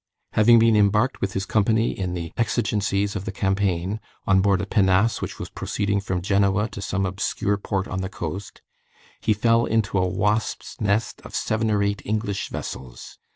Having been embarked with his company in the exigencies of the campaign, on board a pinnace which was proceeding from Genoa to some obscure port on the coast, he fell into a wasps' nest of seven or eight English vessels.